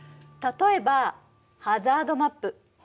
例えばハザードマップ。